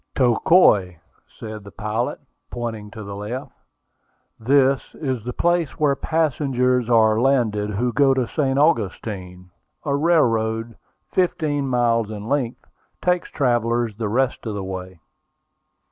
"Tocoi," said the pilot, pointing to the left. "This is the place where passengers are landed who go to St. Augustine. A railroad, fifteen miles in length, takes travellers the rest of the way."